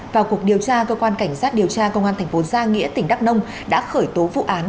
vào cuộc điều tra cơ quan cảnh sát điều tra công an tp giang nghĩa tỉnh đắk nông đã khởi tố vụ án